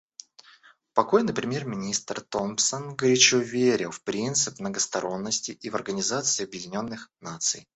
Покойный премьер-министр Томпсон горячо верил в принцип многосторонности и в Организацию Объединенных Наций.